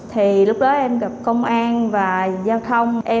thì lúc đó em gặp công an và giao thông